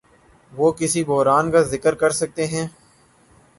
وہ کس بحران کا ذکر کرسکتے ہیں؟